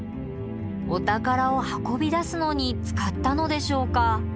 お宝を運び出すのに使ったのでしょうか？